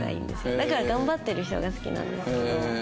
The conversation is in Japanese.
だから頑張ってる人が好きなんですけど。